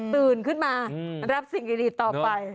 ตื่นขึ้นมารับสิ่งดีต่อไป